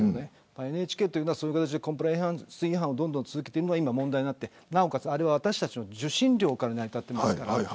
ＮＨＫはコンプライアンス違反をどんどん続けて今、問題になってなおかつ、あれは私たちの受信料から成り立っています。